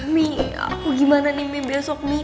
mi aku gimana nih besok